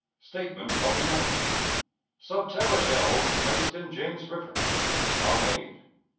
Statement of the Enemy. Sub terra Shells placed in James River. How made.